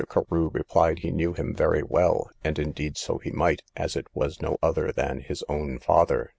Carew replied he knew him very well, and indeed so he might, as it was no other than his own father.